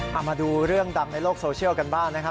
เอามาดูเรื่องดังในโลกโซเชียลกันบ้างนะครับ